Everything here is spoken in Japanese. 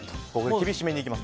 厳しめにいきます。